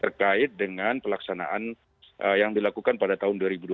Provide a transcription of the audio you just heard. terkait dengan pelaksanaan yang dilakukan pada tahun dua ribu dua puluh